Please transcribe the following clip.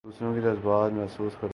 دوسروں کے جذبات محسوس کرتا ہوں